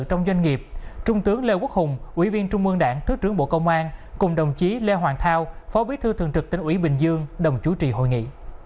trong doanh nghiệp trung tướng lê quốc hùng ủy viên trung mương đảng thứ trưởng bộ công an cùng đồng chí lê hoàng thao phó bí thư thường trực tỉnh ủy bình dương đồng chủ trì hội nghị